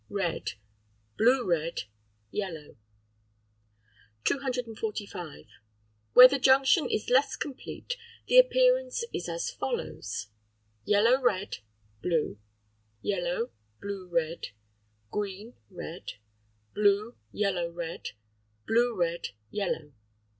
Red. Blue red. Yellow. 245. Where the junction is less complete, the appearance is as follows (214, 215): Yellow red. Blue. Yellow. Blue red. Green. Red. Blue. Yellow red. Blue red. Yellow.